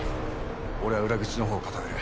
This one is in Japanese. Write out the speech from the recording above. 俺は裏口のほうを固める。